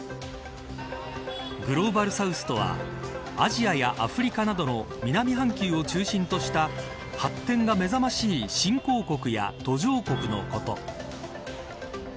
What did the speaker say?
グローバル・サウスとはアジアやアフリカなどの南半球を中心とした発展が目覚ましい新興国や途上国のこと。